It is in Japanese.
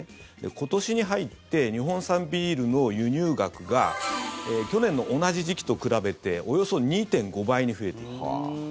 今年に入って日本産ビールの輸入額が去年の同じ時期と比べておよそ２．５倍に増えていると。